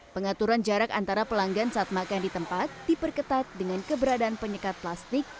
pengaturan jarak antara pelanggan saat makan di tempat diperketat dengan keberadaan penyekat plastik